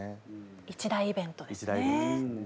一大イベントですね。